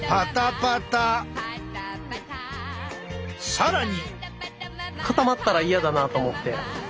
更に！